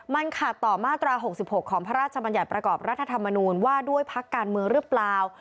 มันขาดต่อมาตรา๖๖ของพระราชบัญญัติประกอบรัฐธรรมนูญว่าด้วยพักการเมืองหรือเปล่า